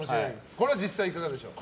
これは実際、いかがでしょうか。